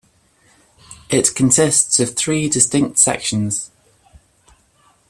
It consists of three distinct sections.